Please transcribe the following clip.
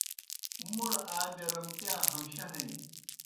موْڑ آ بیرامتِیا ہمشہ ہنیْ۔